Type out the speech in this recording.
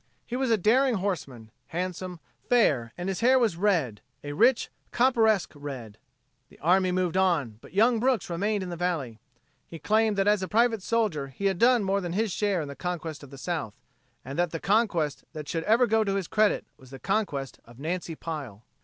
He was a daring horseman, handsome, fair and his hair was red a rich copperesque red. The army moved on, but young Brooks remained in the valley. He claimed that as a private soldier he had done more than his share in the conquest of the South and that the conquest that should ever go to his credit was the conquest of Nancy Pile.